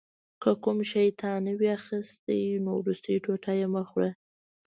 که کوم شی تا نه وي اخیستی نو وروستی ټوټه یې مه خوره.